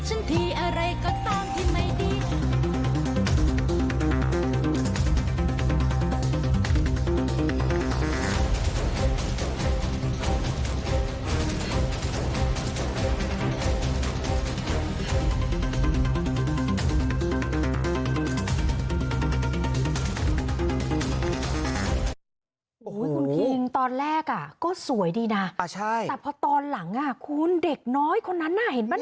อุ้ยคุณพี่อิงตอนแรกอ่ะก็สวยดีน่ะอ่าใช่แต่พอตอนหลังอ่ะคุณเด็กน้อยคนนั้นน่ะเห็นป่ะน่ะ